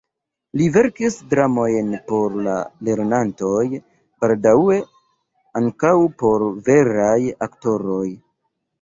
Li verkis dramojn por la lernantoj, baldaŭe ankaŭ por veraj aktoroj.